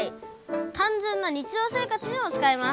単純な日常生活でも使えます。